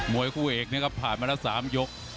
วยคู่เอกนะครับผ่านมาแล้ว๓ยก